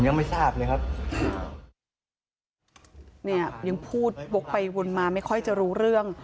เนี่ยยังพูดโบกไปวนมาไม่ค่อยจะรู้เรื่อง